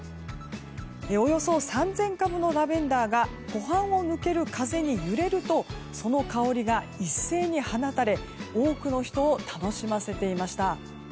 およそ３０００株のラベンダーが湖畔を抜ける風に揺れるとその香りが一斉に放たれ多くの人を楽しませていました。